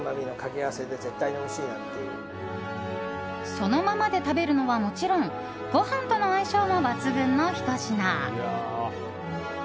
そのままで食べるのはもちろんご飯との相性も抜群のひと品。